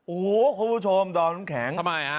โอ้โฮคุณผู้ชมดอมจุ๊กแข็ง